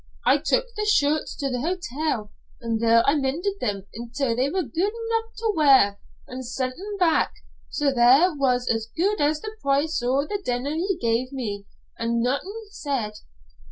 I took the shirts to the hotel, an' there I mended them until they were guid enough to wear, an' sent them back. So there was as guid as the price o' the denner he gave me, an' naethin said.